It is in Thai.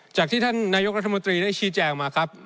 จากที่ท่านนายกรัฐมนตรีได้ชี้แจงมาครับ